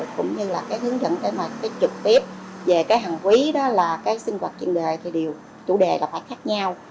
cũng như hướng dẫn trực tiếp về hành quý sinh hoạt chuyên đề thì chủ đề phải khác nhau